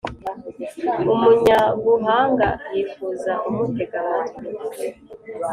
umunyabuhanga yifuza umutega amatwi